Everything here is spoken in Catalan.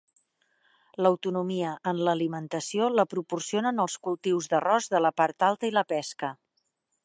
L'autonomia en l'alimentació la proporcionen els cultius d'arròs de la part alta i la pesca.